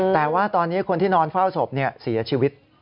แต่ว่าตอนนี้คนที่นอนเฝ้าศพเสียชีวิต